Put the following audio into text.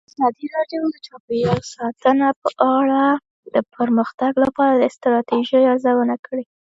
ازادي راډیو د چاپیریال ساتنه په اړه د پرمختګ لپاره د ستراتیژۍ ارزونه کړې.